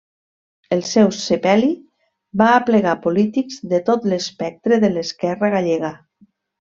El seu sepeli va aplegar polítics de tot l'espectre de l'esquerra gallega.